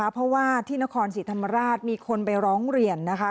เพราะว่าที่นครศรีธรรมราชมีคนไปร้องเรียนนะคะ